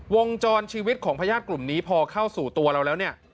วงจรชีวิตของพญาติกลุ่มนี้พอเข้าสู่ตัวเราแล้วเนี่ย